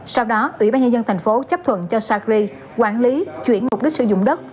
sau đó ủy ban nhân dân thành phố chấp thuận cho sacri quản lý chuyển mục đích sử dụng đất